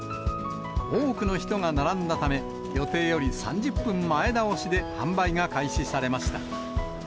多くの人が並んだため、予定より３０分前倒しで販売が開始されました。